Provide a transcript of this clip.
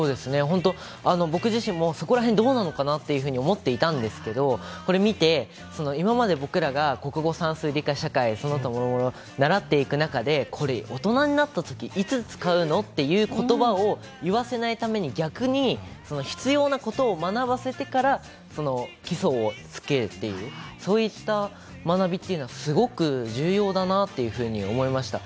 僕自身もそこら辺どうなのかなと思っていたんですけど、これを見て、今まで僕らが国語・算数・理科・社会、その他もろもろ、習っていく中で大人になったときいつ使うのという言葉を言わせないために、逆に必要なことを学ばせてから基礎をつけるという、そういった学びというのはすごく重要だなと思いました。